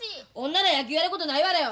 女が野球やることないわらよ。